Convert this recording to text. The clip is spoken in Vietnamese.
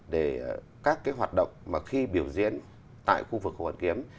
để các hoạt động mà khi biểu diễn tại khu vực khu văn kiếm